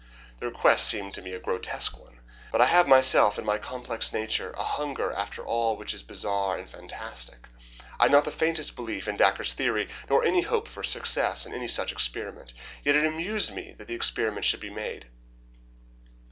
The request seemed to me a grotesque one; but I have myself, in my complex nature, a hunger after all which is bizarre and fantastic. I had not the faintest belief in Dacre's theory, nor any hopes for success in such an experiment; yet it amused me that the experiment should be made.